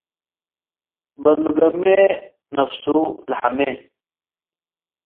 በኑ ገሜ ነፍሱ ለሐሜ።